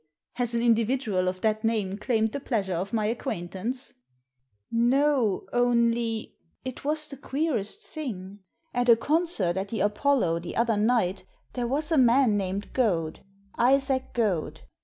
Has an in dividual of that name claimed the pleasure of my acquaintance ?"" No, only — it was the queerest thing — at a concert at the Apollo the other night there was a man named Goad — Isaac Goad.